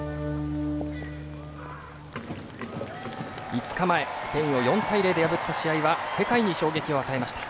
５ 日前、スペインを４対０で破った試合は世界に衝撃を与えました。